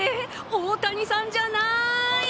大谷さんじゃない！